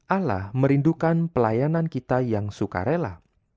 allah merindukan pelayanan kita yang sukarela